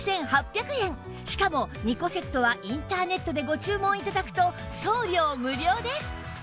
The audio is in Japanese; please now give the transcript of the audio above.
しかも２個セットはインターネットでご注文頂くと送料無料です